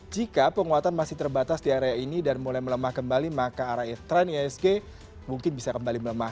jika penguatan masih terbatas di area ini dan mulai melemah kembali maka arah e trend asg mungkin bisa kembali